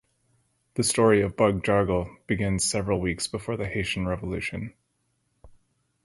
The story of Bug-Jargal begins several weeks before the Haitian Revolution.